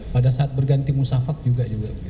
pada saat berganti musafak juga